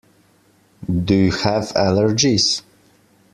Do you have allergies?